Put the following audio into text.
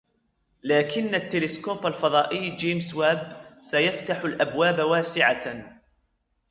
لكن التلسكوب الفضائي جيمس واب يسفتح الأبواب واسعة